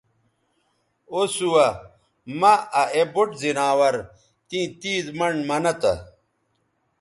او سُوہ مہ آ اے بُوٹ زناور تیں تیز منڈ منہ تہ